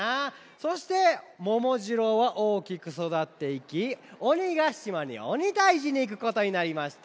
そしてももじろうはおおきくそだっていきおにがしまにおにたいじにいくことになりました。